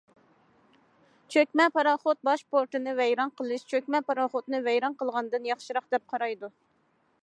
چۆكمە پاراخوت باش پورتىنى ۋەيران قىلىش چۆكمە پاراخوتنى ۋەيران قىلغاندىن ياخشىراق، دەپ قارايدۇ.